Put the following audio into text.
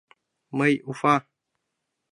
Мый Уфа!